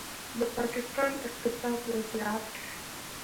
د پاکستان اقتصادي وضعیت